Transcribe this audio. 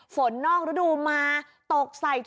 ฝนนอกรุ่นดูมมาตกใส่